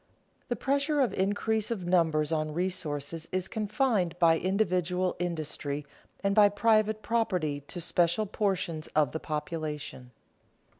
_The pressure of increase of numbers on resources is confined by individual industry and by private property to special portions of the population.